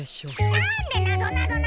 なんでなぞなぞなんだ！？